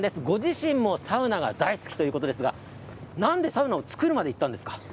ご自身もサウナが大好きということですが、なんでサウナを作るまでいったんですか？